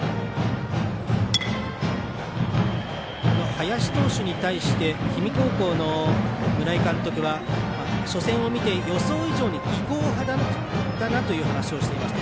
林投手に対して氷見高校の村井監督は初戦を見て予想以上に技巧派だなという話をしていました。